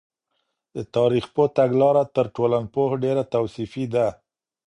د تاریخ پوه تګلاره تر ټولنپوه ډېره توصیفي ده.